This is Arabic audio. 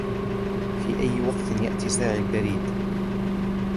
في أي وقت يأتي ساعي البريد ؟